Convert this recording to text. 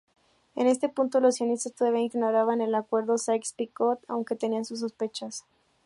En este punto, los sionistas todavía ignoraban el acuerdo Sykes-Picot, aunque tenían sus sospechas.